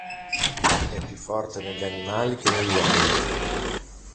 È più forte negli animali che negli uomini.